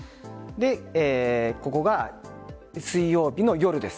ここが水曜日の夜です。